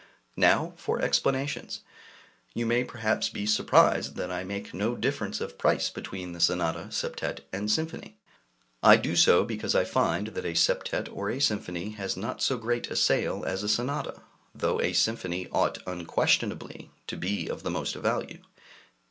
Now for explanations. You may perhaps be surprised that I make no difference of price between the sonata, septet, and symphony. I do so because I find that a septet or a symphony has not so great a sale as a sonata, though a symphony ought unquestionably to be of the most value.